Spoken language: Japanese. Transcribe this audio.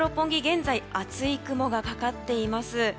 現在、厚い雲がかかっています。